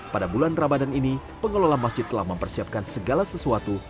pada bulan ramadan ini pengelola masjid telah mempersiapkan segala sesuatu